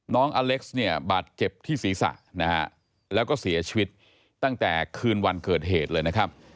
น้องอเล็กซ์เนี่ยบาดเจ็บที่ศีรษะนะฮะแล้วก็เสียชีวิตตั้งแต่คืนวันเกิดเหตุเลยนะครับ